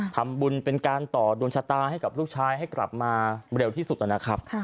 ทำบุญเป็นการต่อดวงชะตาให้กับลูกชายให้กลับมาเร็วที่สุดนะครับ